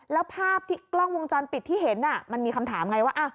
แล้วภาพที่กล้องวงจรปิดที่เห็นมันมีคำถามไงว่า